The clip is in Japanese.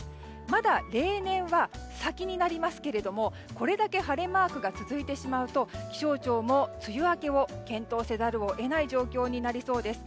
まだ例年は先になりますけれどもこれだけ晴れマークが続いてしまうと、気象庁も検討せざるを得ない状況になりそうです。